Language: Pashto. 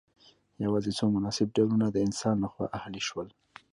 یوازې څو مناسب ډولونه د انسان لخوا اهلي شول.